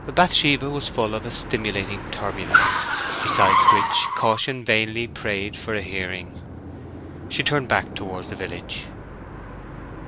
Bathsheba was full of a stimulating turbulence, beside which caution vainly prayed for a hearing. She turned back towards the village.